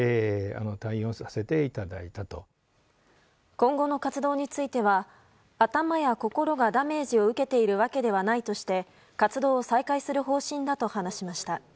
今後の活動については頭や心がダメージを受けているわけではないとして活動を再開する方針だと話しました。